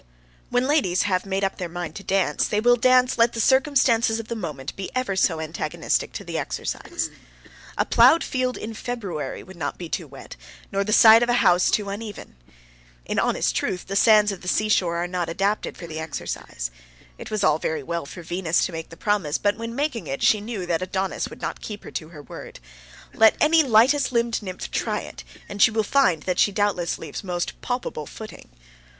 When ladies have made up their minds to dance they will dance let the circumstances of the moment be ever so antagonistic to that exercise. A ploughed field in February would not be too wet, nor the side of a house too uneven. In honest truth the sands of the seashore are not adapted for the exercise. It was all very well for Venus to make the promise, but when making it she knew that Adonis would not keep her to her word. Let any lightest limbed nymph try it, and she will find that she leaves most palpable footing.